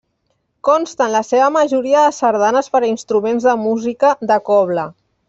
Consta en la seva majoria de sardanes per a instruments de música de cobla.